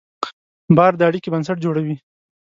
باور د اړیکې بنسټ جوړوي.